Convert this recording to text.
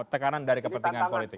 tekanan dari kepentingan politik